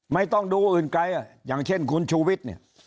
ไม่ต้องดูอื่นไกลนะอย่างเช่นคุณชูวิส